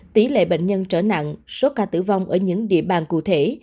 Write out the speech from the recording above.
tỷ lệ bệnh nhân trở nặng số ca tử vong ở những địa bàn cụ thể